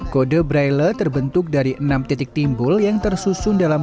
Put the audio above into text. kode braille terbentuk dari enam titik timbul yang tersusun dalam